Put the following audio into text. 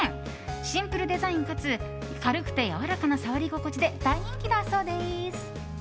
シンプルデザインかつ軽くてやわらかな触り心地で大人気だそうです。